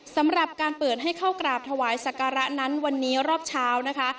สำหรับการเปิดให้เข้ากราบถวายสักการะนั้นวันนี้รอบเช้านะคะ